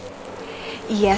ma ceri ngantuk